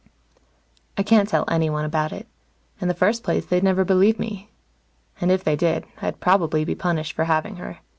I can't tell anyone about it. In the first place, they'd never believe me. And, if they did, I'd probably be punished for having her.